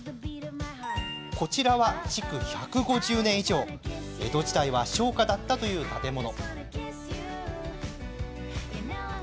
こちらは築１５０年以上江戸時代は商家だったという建物。